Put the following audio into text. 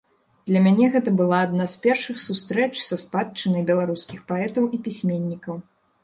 Для мяне гэта была адна з першых сустрэч са спадчынай беларускіх паэтаў і пісьменнікаў.